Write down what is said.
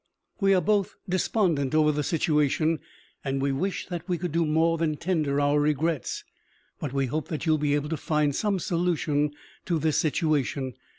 We are both despondent over the situation and we wish that we could do more than tender our regrets. But we hope that you will be able to find some solution to this situation.